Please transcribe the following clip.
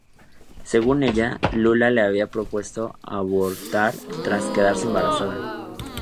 Según ella, Lula le había propuesto abortar tras quedarse embarazada.